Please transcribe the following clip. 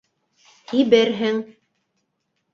- һиберһең.